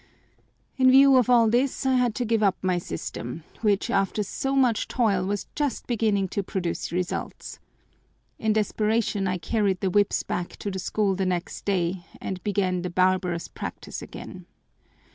"In view of all this I had to give up my system, which, after so much toil, was just beginning to produce results. In desperation I carried the whips bank to the school the next day and began the barbarous practice again.